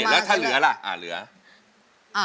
แล้วถ้าเหลือล่ะ